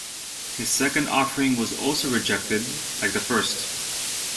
His second offering was also rejected, like the first.